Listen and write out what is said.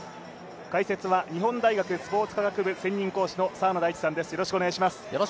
解説は日本大学スポーツ科学部専任講師の澤野大地さんです。